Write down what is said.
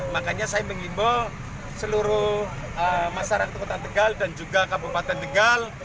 makanya saya mengimbau seluruh masyarakat kota tegal dan juga kabupaten tegal